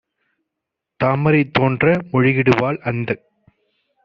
தாமரை தோன்ற முழுகிடுவாள்! - அந்தக்